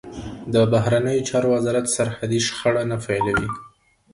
د بهرنیو چارو وزارت سرحدي شخړه نه پیلوي.